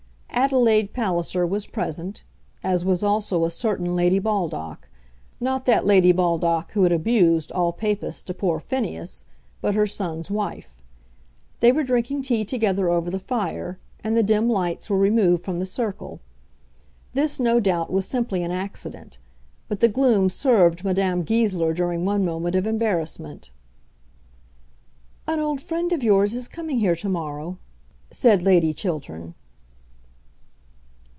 Adelaide Palliser was present, as was also a certain Lady Baldock, not that Lady Baldock who had abused all Papists to poor Phineas, but her son's wife. They were drinking tea together over the fire, and the dim lights were removed from the circle. This, no doubt, was simply an accident; but the gloom served Madame Goesler during one moment of embarrassment. "An old friend of yours is coming here to morrow," said Lady Chiltern.